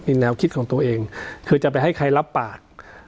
แนวคิดของตัวเองคือจะไปให้ใครรับปาก